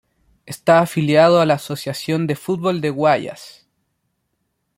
Está afiliado a la Asociación de Fútbol del Guayas.